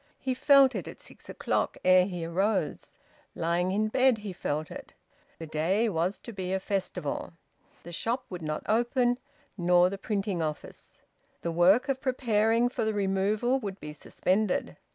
He felt it at six o'clock, ere he arose. Lying in bed he felt it. The day was to be a festival. The shop would not open, nor the printing office. The work of preparing for the removal would be suspended.